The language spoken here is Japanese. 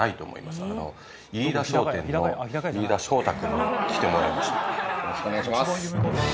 よろしくお願いします。